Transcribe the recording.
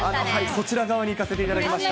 そちら側に行かせていただきました。